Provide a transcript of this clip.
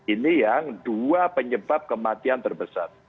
ini yang dua penyebab kematian terbesar